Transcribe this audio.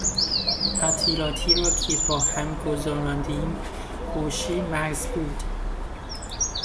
تعطیلاتی را که با هم گذراندیم خوشی محض بود.